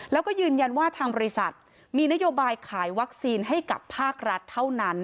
แล้วก็ยืนยันว่าทางบริษัทมีนโยบายขายวัคซีนให้กับภาครัฐเท่านั้น